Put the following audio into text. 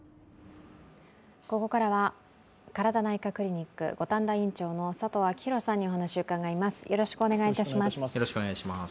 ここからはＫＡＲＡＤＡ内科クリニック五反田院長の佐藤昭裕さんにお話を伺います。